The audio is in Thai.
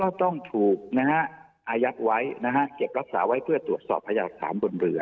ก็ต้องถูกนะฮะอายักษ์ไว้นะฮะเก็บรับสาวไปเพื่อตรวจสอบไผ่ให้อัดสามบนเรือ